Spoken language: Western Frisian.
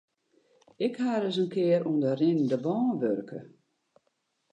Ik ha ris in kear oan de rinnende bân wurke.